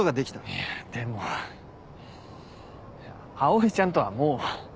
いやでも葵ちゃんとはもう。